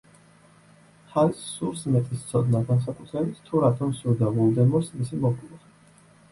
ჰარის სურს მეტის ცოდნა, განსაკუთრებით, თუ რატომ სურდა ვოლდემორს მისი მოკვლა.